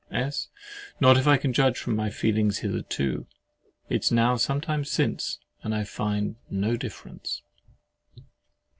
S. Not if I can judge from my feelings hitherto. It is now sometime since,—and I find no difference.